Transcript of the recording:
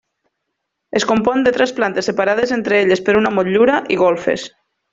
Es compon de tres plantes separades entre elles per una motllura, i golfes.